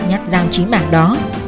nhắc dao trí mạng đó